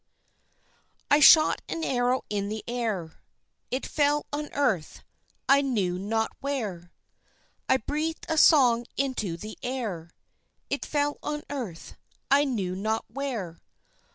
] "I shot an arrow in the air; It fell on earth, I knew not where. I breathed a song into the air; It fell on earth, I knew not where.